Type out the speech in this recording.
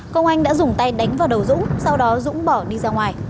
công anh đã dùng tay đánh vào đầu dũng sau đó dũng bỏ đi ra ngoài